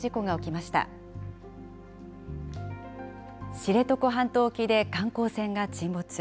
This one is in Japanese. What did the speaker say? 知床半島沖で観光船が沈没。